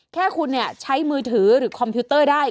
แค่คุณใช้มือถือหรือคอมพิวเตอร์ได้